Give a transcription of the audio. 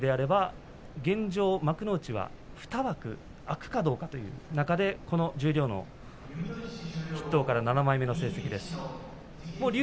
２枠空くかどうかという中でこの十両の筆頭から７枚目の成績竜